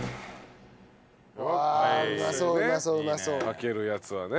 かけるやつはね。